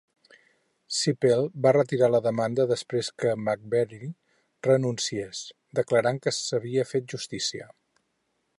Cipel va retirar la demanda després que McGreevey renunciés, declarant que s'havia fet justícia.